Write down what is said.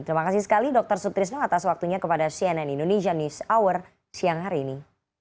terima kasih sekali dr sutrisno atas waktunya kepada cnn indonesia news hour siang hari ini